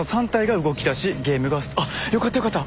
よかったよかった。